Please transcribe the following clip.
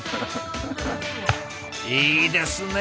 いいですね！